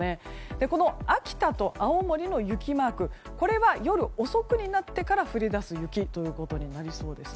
この秋田と青森の雪マークは夜遅くになってから降り出す雪となりそうです。